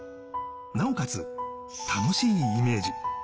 なおかつ楽しいイメージ。